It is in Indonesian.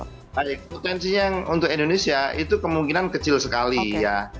baik potensinya untuk indonesia itu kemungkinan kecil sekali ya